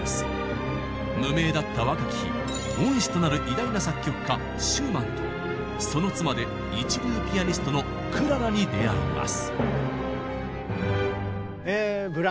無名だった若き日恩師となる偉大な作曲家シューマンとその妻で一流ピアニストのクララに出会います。